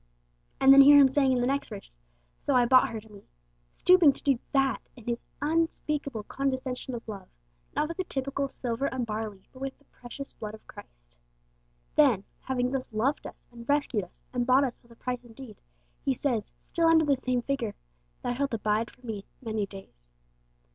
And then hear Him saying in the next verse, 'So I bought her to Me;' stooping to do that in His unspeakable condescension of love, not with the typical silver and barley, but with the precious blood of Christ. Then, having thus loved us, and rescued us, and bought us with a price indeed, He says, still under the same figure, 'Thou shalt abide for Me many days.'